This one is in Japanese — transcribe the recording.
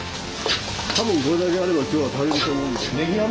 多分これだけあれば今日は足りると思うんで。